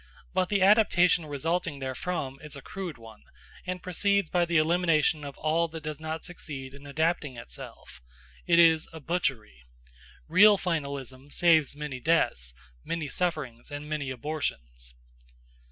But the adaptation resulting therefrom is a crude one, and proceeds by the elimination of all that does not succeed in adapting itself; it is a butchery. Real finalism saves many deaths, many sufferings, and many abortions.